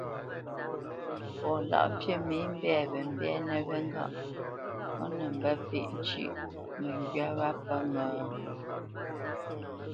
Fɔ Lâʼfî mê mbɛ̂ wě mbɛ́nə̄ wé ŋgâʼ ó nə mbə́pêʼ ncʉ́ʼ məŋgywá wá pə́ ŋə́ ?